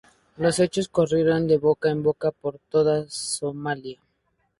Los hechos corrieron de boca en boca por toda Somalia.